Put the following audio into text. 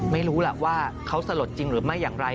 ไม่รู้แหละว่าเขาสลดจริงหรือไม่อย่างไร